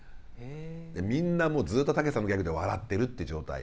みんなもうずっとたけしさんのギャグで笑ってるって状態。